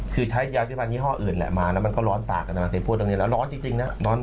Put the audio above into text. คือใช้ยาวยี่ห้อผ้านเดียวมาแล้วมันก็ร้อนตากันแต่วันนี้มันร้อนจริง